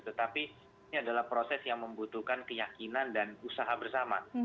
tetapi ini adalah proses yang membutuhkan keyakinan dan usaha bersama